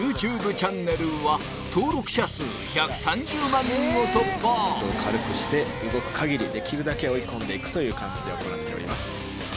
チャンネルは登録者数１３０万人を突破動くかぎりできるだけ追い込んでいくという感じで行っております